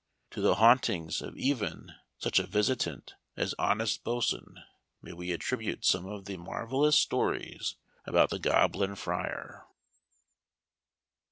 To the hauntings of even such a visitant as honest Boatswain may we attribute some of the marvellous stories about the Goblin Friar.